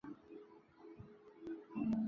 奥库鼠属等之数种哺乳动物。